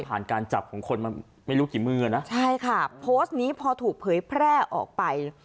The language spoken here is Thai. การจับของคนมาไม่รู้กี่มือนะใช่ค่ะโพสต์นี้พอถูกเผยแพร่ออกไป